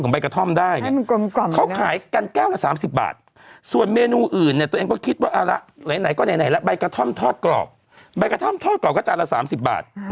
ใบกระท่อมทอดกรอบใบกระท่อมทอดกรอบฤทธิ์ก็จานละ๓๐บาท